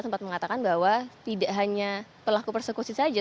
sempat mengatakan bahwa tidak hanya pelaku persekusi saja